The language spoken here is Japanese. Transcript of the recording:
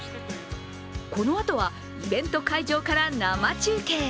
このあとはイベント会場から生中継。